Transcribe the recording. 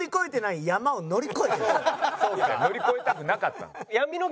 いや乗り越えたくなかったの。